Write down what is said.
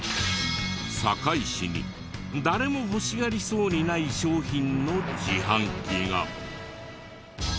堺市に誰も欲しがりそうにない商品の自販機が。